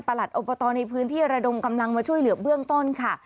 หลัดอบตในพื้นที่ระดมกำลังมาช่วยเหลือเบื้องต้นค่ะ